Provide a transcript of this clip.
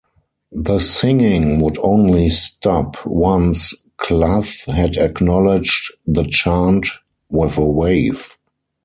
The singing would only stop once Clough had acknowledged the chant with a wave.